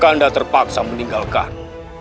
kanda terpaksa meninggalkanmu